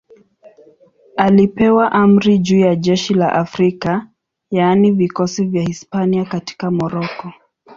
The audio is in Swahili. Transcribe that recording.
Alipewa amri juu ya jeshi la Afrika, yaani vikosi vya Hispania katika Moroko.